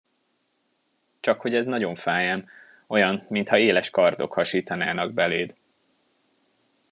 Csakhogy ez nagyon fáj ám, olyan, mintha éles kardok hasítanának beléd.